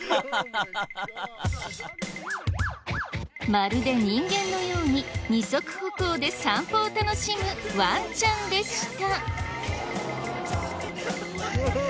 まるで人間のように二足歩行で散歩を楽しむワンちゃんでした。